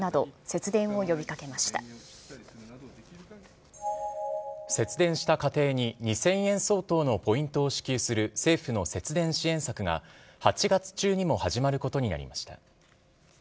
節電した家庭に２０００円相当のポイントを支給する政府の節電支援策が、８月中にも始まることになりました。